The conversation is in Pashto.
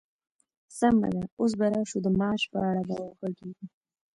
سمه ده، اوس به راشو د معاش په اړه به وغږيږو!